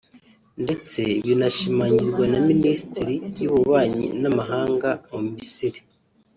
ndetse binashimangirwa na Minisiteri y’Ububanyi n’Amahanga mu Misiri